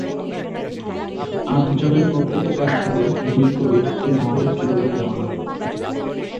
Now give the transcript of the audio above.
আটজনের প্রত্যেকের কাছ থেকে দুই কবির তিনটি করে প্রিয় গান নেওয়া হয়।